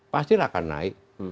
pastilah akan naik